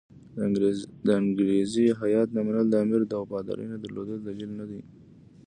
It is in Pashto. د انګریزي هیات نه منل د امیر د وفادارۍ نه درلودلو دلیل نه دی.